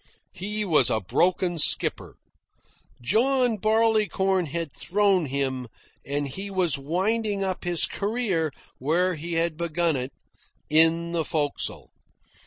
He was a broken skipper. John Barleycorn had thrown him, and he was winding up his career where he had begun it, in the forecastle.